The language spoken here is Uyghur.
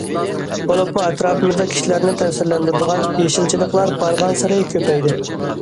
بولۇپمۇ ئەتراپىمىزدا كىشىلەرنى تەسىرلەندۈرىدىغان يېشىلچىلىقلار بارغانسېرى كۆپەيدى.